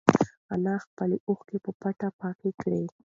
انا خپلې اوښکې په پټه پاکې کړې.